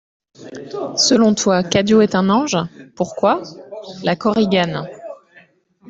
Selon toi, Cadio est un ange ? Pourquoi ? LA KORIGANE.